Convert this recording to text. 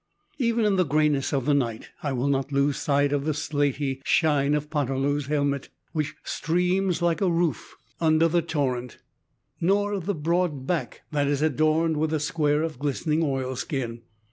Even in the grayness of the night I will not lose sight of the slaty shine of Poterloo's helmet, which streams like a roof under the torrent, nor of the broad back that is adorned with a square of glistening oilskin.